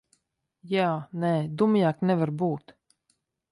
Jā, nē. Dumjāk nevar būt.